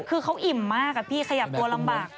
คือเขาอิ่มมากอะพี่ขยับตัวลำบาก